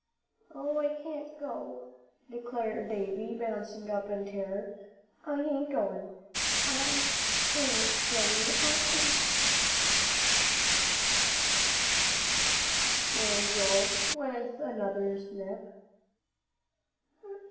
"Oh, I can't go," declared Davie, bouncing up in terror. "I ain't goin'. I ain't, Joey. I ain't " "Sh sh!" warned Joel, with another nip.